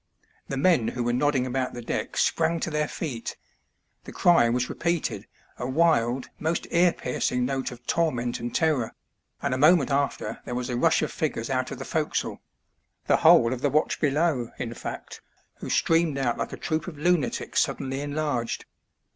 The men who were nodding about the decks sprang to their feet ; the cry was repeated, a wild, most ear piercing note of torment and terror, and a moment after there was a rush of figures out of the forecastle — the whole of the watch below, in fact, who streamed out like a troop of lunatics suddenly enlarged.